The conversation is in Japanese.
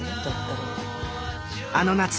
あの夏